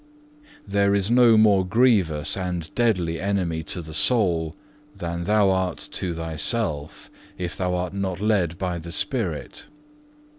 There is no more grievous and deadly enemy to the soul than thou art to thyself, if thou art not led by the Spirit.